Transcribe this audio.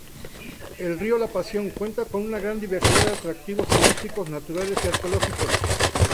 El río La Pasión cuenta con gran diversidad de atractivos turísticos naturales y arqueológicos.